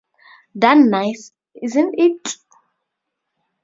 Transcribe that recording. Darn nice, isn't it!